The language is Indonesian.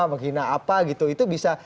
menghina apa gitu itu bisa